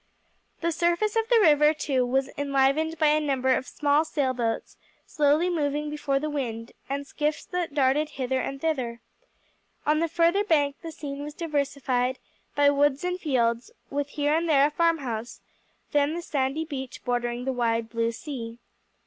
The surface of the river too was enlivened by a number of small sail boats slowly moving before the wind, and skiffs that darted hither and thither. On the further bank the scene was diversified by woods and fields, with here and there a farm house, then the sandy beach bordering the wide blue sea.